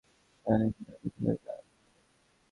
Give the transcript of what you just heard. তবে প্রধান কথা হলো আমরা যেটা জানি, সেটা অন্যদের জানাতে হবে।